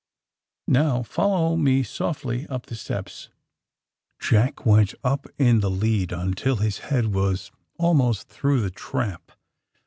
Now, follow me softly up the steps." Jack went up in the lead until his head was almost through the trap.